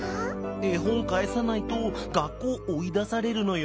「えほんかえさないと学校おいだされるのよ」。